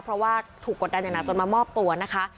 เพราะว่าถูกกดดันอย่างหนักจนมามอบตัวนะคะ